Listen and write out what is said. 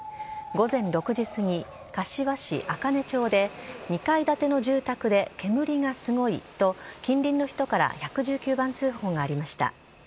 午前６時過ぎ、柏市あかね町で、２階建ての住宅で煙がすごいと近隣の人から１１９番通報がありました。